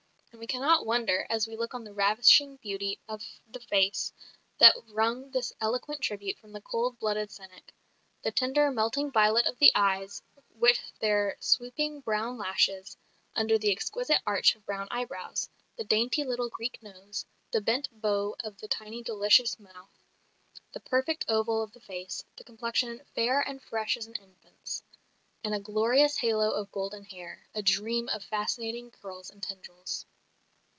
And we cannot wonder, as we look on the ravishing beauty of the face that wrung this eloquent tribute from the cold blooded cynic the tender, melting violet of the eyes, with their sweeping brown lashes, under the exquisite arch of brown eyebrows, the dainty little Greek nose, the bent bow of the delicious tiny mouth, the perfect oval of the face, the complexion "fair and fresh as an infant's," and a glorious halo of golden hair, a dream of fascinating curls and tendrils.